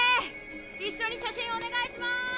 一緒に写真お願いします！